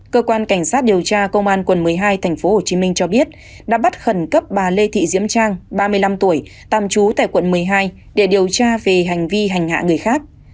cơ quan cảnh sát điều tra công an quận một mươi hai tp hcm cho biết đã bắt khẩn cấp bà lê thị diễm trang ba mươi năm tuổi tạm trú tại quận một mươi hai để điều tra về hành vi hành hạ người khác